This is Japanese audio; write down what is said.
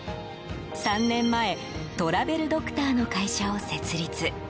３年前トラベルドクターの会社を設立。